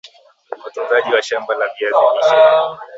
utunzaji wa shamba la viazi lishe